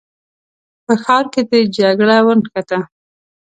په ښار کې د جګړه ونښته.